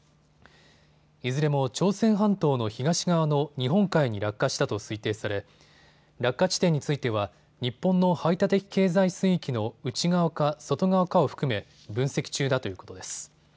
いずれも朝鮮半島の東側の日本海に落下したと推定され落下地点については日本の排他的経済水域の内側か外側かを含め分析中だということです。